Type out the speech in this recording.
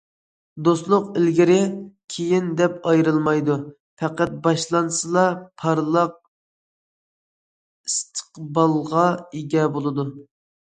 دوستلۇق ئىلگىرى- كېيىن دەپ ئايرىلمايدۇ، پەقەت باشلانسىلا، پارلاق ئىستىقبالغا ئىگە بولىدۇ.